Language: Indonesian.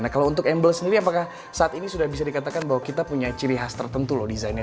nah kalau untuk embel sendiri apakah saat ini sudah bisa dikatakan bahwa kita punya ciri khas tertentu loh desainnya